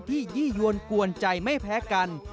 ยี่ยวนกวนใจไม่แพ้กัน